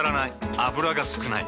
油が少ない。